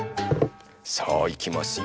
さあいきますよ。